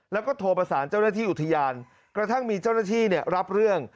แล้วก็โทรประสานเจ้าหน้าที่อุทยานกระทั่งมีเจ้าหน้าที่รับเรื่อง